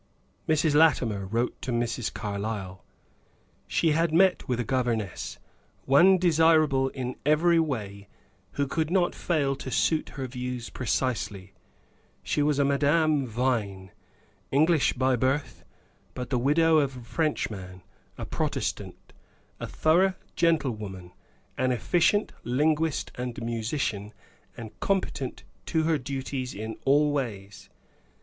Mrs. Latimer wrote to Mrs. Carlyle. She had met with a governess; one desirable in every way who could not fail to suit her views precisely. She was a Madame Vine, English by birth, but the widow of a Frenchman; a Protestant, a thorough gentlewoman, an efficient linguist and musician, and competent to her duties in all ways.